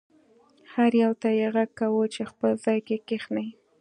هر یو ته یې غږ کاوه چې خپل ځای کې کښېنه.